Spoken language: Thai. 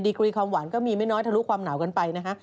กรีความหวานก็มีไม่น้อยทะลุความหนาวกันไปนะฮะ